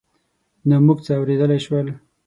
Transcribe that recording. نه موږ څه اورېدای شول.